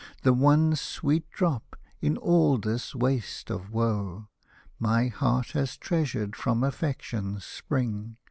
The one sweet drop, in all this waste of woe. My heart has treasured from affection's spring.